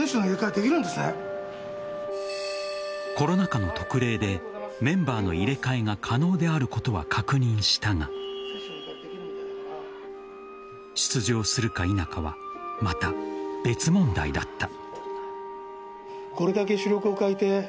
コロナ禍の特例でメンバーの入れ替えが可能であることは確認したが出場するか否かはまた別問題だった。